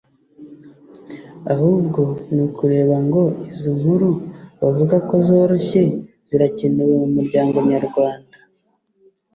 ahubwo ni ukureba ngo izo nkuru bavuga ko zoroshye zirakenewe mu muryango Nyarwanda